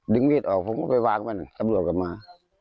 มีดออกผมก็ไปวางมันตำรวจกลับมา